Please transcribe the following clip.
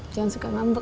jangan suka ngambek